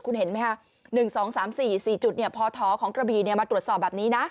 คุณเห็นไหมคะ๑๒๓๔๔จุดพทของกระบีมาตรวจสอบแบบนี้นะ